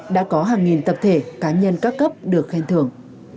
đã có hàng nghìn tập thể cá nhân các cấp được khen thưởng